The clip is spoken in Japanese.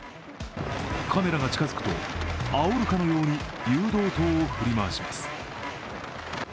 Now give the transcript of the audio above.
カメラが近づくと、あおるかのように誘導灯を振り回します。